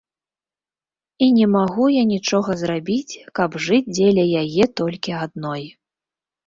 І не магу я нічога зрабіць, каб жыць дзеля яе толькі адной.